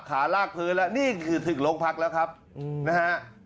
ลากพื้นแล้วนี่คือถึงโรงพักแล้วครับนะฮะ